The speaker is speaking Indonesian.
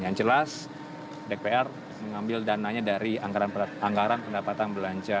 yang jelas dpr mengambil dananya dari anggaran pendapatan belanja